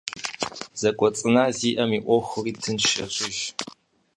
Зэкӏуэцӏына зиӏэм и ӏуэхури тынш ещӏыж.